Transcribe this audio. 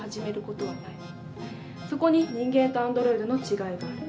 そこに人間とアンドロイドの違いがある。